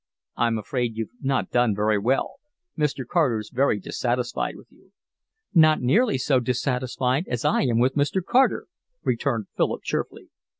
"I'm afraid you've not done very well. Mr. Carter's very dissatisfied with you." "Not nearly so dissatisfied as I am with Mr. Carter," returned Philip cheerfully.